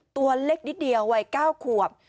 ตัวเล็กนิดเดียววัย๙ขวบ